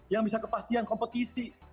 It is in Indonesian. yang bisa kepastian kompetisi